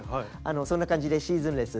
そんな感じでシーズンレス。